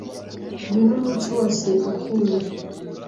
Ngwino umunsi wose ukunda.